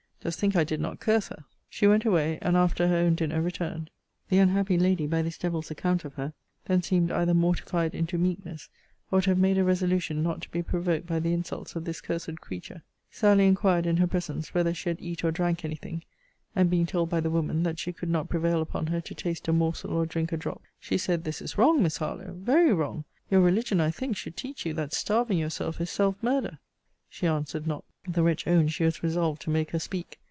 Dost think I did not curse her? She went away; and, after her own dinner, returned. The unhappy lady, by this devil's account of her, then seemed either mortified into meekness, or to have made a resolution not to be provoked by the insults of this cursed creature. Sally inquired, in her presence, whether she had eat or drank any thing; and being told by the woman, that she could not prevail upon her to taste a morsel, or drink a drop, she said, this is wrong, Miss Harlowe! Very wrong! Your religion, I think, should teach you, that starving yourself is self murder. She answered not. The wretch owned she was resolved to make her speak.